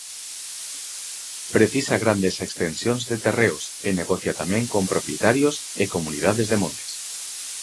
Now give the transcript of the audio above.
Precisa grandes extensións de terreos e negocia tamén con propietarios e comunidades de montes.